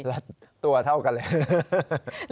ละตัวเท่ากันเลย